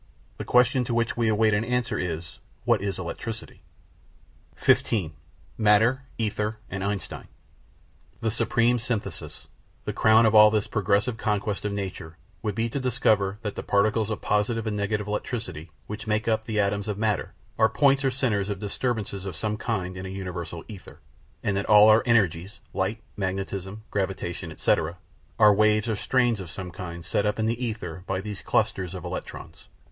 The question to which we await an answer is: What is electricity? § 15 MATTER, ETHER, AND EINSTEIN The supreme synthesis, the crown of all this progressive conquest of nature, would be to discover that the particles of positive and negative electricity, which make up the atoms of matter, are points or centres of disturbances of some kind in a universal ether, and that all our "energies" (light, magnetism, gravitation, etc.) are waves or strains of some kind set up in the ether by these clusters of electrons.